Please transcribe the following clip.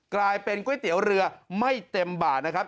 กลายเป็นก๋วยเตี๋ยวเรือไม่เต็มบาทนะครับ